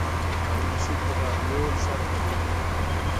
هارون الرشید د بهلول شرط قبول کړ.